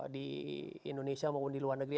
di indonesia maupun di luar negeri